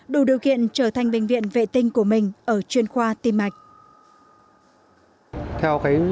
đủ điều kiện trở thành bệnh viện vệ tinh của mình ở chuyên khoa tim mạch